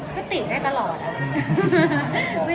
ก็ติได้ตลอดอะ